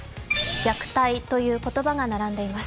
虐待という言葉が並んでいます。